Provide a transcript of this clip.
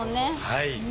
はい。